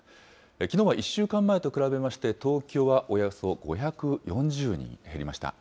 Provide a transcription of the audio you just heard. きのうは１週間前と比べまして、東京はおよそ５４０人減りました。